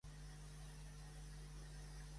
Arribà a la internacionalitat amb Espanya.